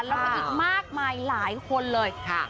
แล้วก็อีกมากมายหลายคนเลย